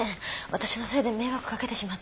私のせいで迷惑かけてしまって。